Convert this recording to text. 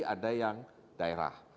ada yang daerah